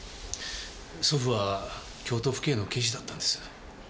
祖父は京都府警の刑事だったんです。